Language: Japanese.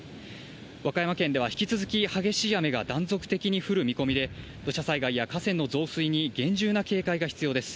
和歌山県では引き続き激しい雨が断続的に降る見込みで、土砂災害や河川の増水に厳重な警戒が必要です。